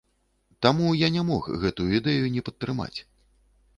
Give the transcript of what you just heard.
Таму я не мог гэтую ідэю не падтрымаць.